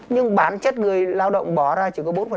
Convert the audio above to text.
nhưng bản chất người lao động bỏ ra chỉ có bốn